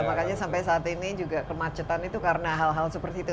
makanya sampai saat ini juga kemacetan itu karena hal hal seperti itu